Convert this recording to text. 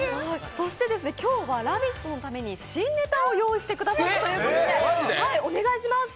そして今日は「ラヴィット！」のために新ネタを用意してくださったということでお願いします。